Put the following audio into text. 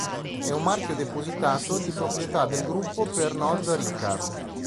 È un marchio depositato di proprietà del gruppo Pernod Ricard.